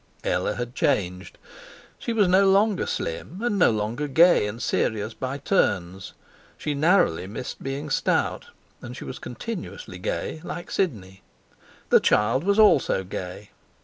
Ella had changed. She was no longer slim, and no longer gay and serious by turns. She narrowly missed being stout, and she was continuously gay, like Sidney. The child was also gay.